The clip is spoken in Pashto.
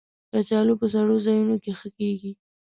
کچالو په سړو ځایونو کې ښه کېږي